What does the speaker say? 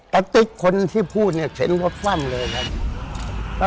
กะติ๊กคนที่พูดเนี้ยเช็นน้องท่านเลยครับ